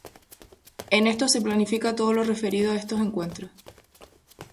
En estos se planifica todo lo referido a estos encuentros.